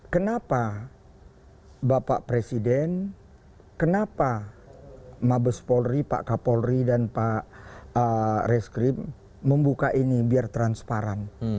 kenapa bapak presiden kenapa mabes polri pak kapolri dan pak reskrim membuka ini biar transparan